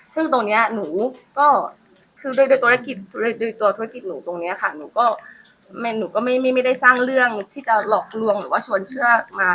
ซึ่งตรงนี้หนูก็คือโดยธุรกิจโดยตัวธุรกิจหนูตรงนี้ค่ะหนูก็หนูก็ไม่ได้สร้างเรื่องที่จะหลอกลวงหรือว่าชวนเชื่อมา